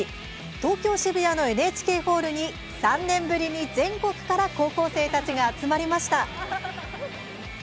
東京・渋谷のＮＨＫホールに３年ぶりに全国から高校生たちが集まりました。